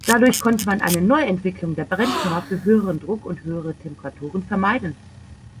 Dadurch konnte man eine Neuentwicklung der Brennkammer für höheren Druck und höhere Temperaturen vermeiden.